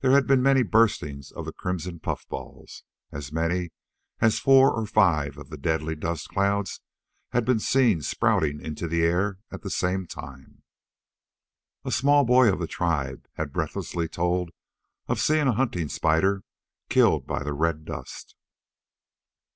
There had been many burstings of the crimson puffballs. As many as four and five of the deadly dust clouds had been seen spouting into the air at the same time. A small boy of the tribe had breathlessly told of seeing a hunting spider killed by the red dust.